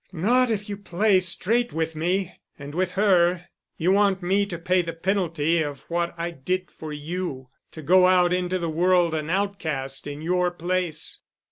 "Not if you play straight with me—and with her. You want me to pay the penalty of what I did for you—to go out into the world—an outcast in your place.